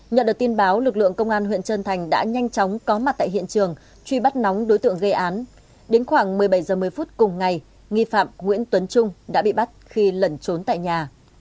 nhận được tin báo lực lượng công an huyện trân thành đã nhanh chóng có mặt tại hiện trường truy bắt nóng đối tượng gây án đến khoảng một mươi bảy h một mươi phút cùng ngày nghi phạm nguyễn tuấn trung đã bị bắt khi lẩn trốn tại nhà